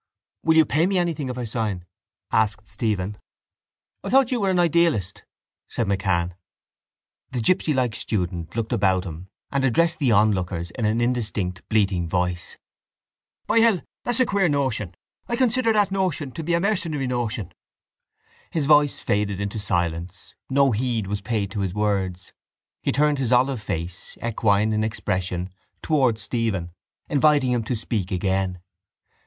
—Will you pay me anything if I sign? asked Stephen. —I thought you were an idealist, said MacCann. The gipsylike student looked about him and addressed the onlookers in an indistinct bleating voice. —By hell, that's a queer notion. I consider that notion to be a mercenary notion. His voice faded into silence. No heed was paid to his words. He turned his olive face, equine in expression, towards Stephen, inviting him to speak again.